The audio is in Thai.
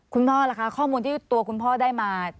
ล่ะคะข้อมูลที่ตัวคุณพ่อได้มา